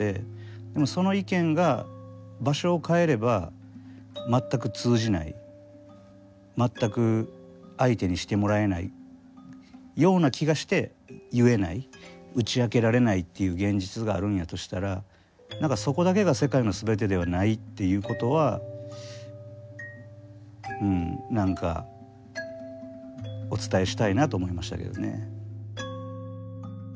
でもその意見が場所を変えれば全く通じない全く相手にしてもらえないような気がして言えない打ち明けられないっていう現実があるんやとしたら何かそこだけが世界のすべてではないっていうことはうん何かお伝えしたいなと思いましたけどね。